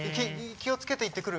気を付けて行ってくる。